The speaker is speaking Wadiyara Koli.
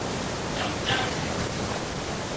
چمچا سي